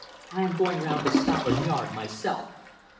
"I am going round to Scotland Yard myself."